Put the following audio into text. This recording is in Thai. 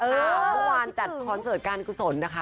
เมื่อวานจัดคอนเสิร์ตการกุศลนะคะ